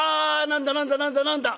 「何だ何だ何だ何だ！